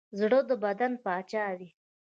زړه د بدن پاچا دی.